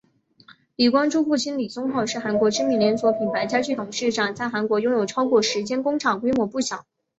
李光洙父亲李宗浩是韩国知名连锁品牌家具董事长在韩国拥有超过十间工厂规模不小。